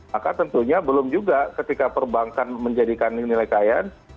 maka tentunya belum juga ketika perbankan menjadikan nilai kayaan